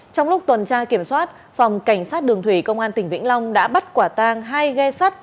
trong lúc tuần tra kiểm soát phòng cảnh sát đường thủy công an tỉnh vĩnh long đã bắt quả tang hai ghe sắt